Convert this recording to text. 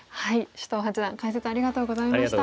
首藤八段解説ありがとうございました。